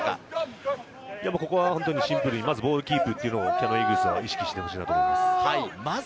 ここはシンプルに、まずボールキープをキヤノンイーグルスは意識してほしいと思います。